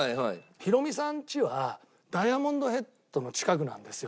ヒロミさんちはダイヤモンドヘッドの近くなんですよ。